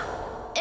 え？